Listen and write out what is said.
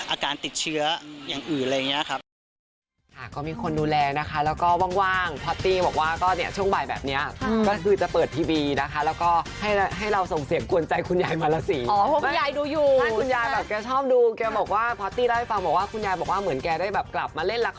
อาการติดเชื้ออย่างอื่นอะไรอย่างนี้ครับ